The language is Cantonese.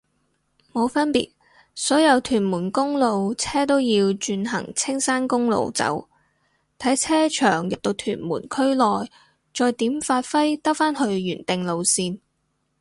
冇分別，所有屯門公路車都要轉行青山公路走，睇車長入到屯門區內再點發揮兜返去原定路線